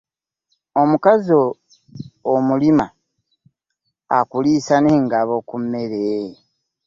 Omukazi omulima akuliisa n’engabo ku mmere.